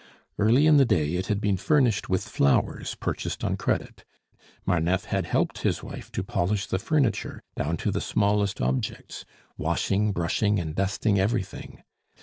Early in the day it had been furnished with flowers purchased on credit. Marneffe had helped his wife to polish the furniture, down to the smallest objects, washing, brushing, and dusting everything.